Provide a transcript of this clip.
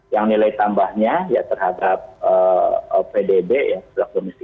yang nilai tambahnya ya terhadap pdb yang sudah komisi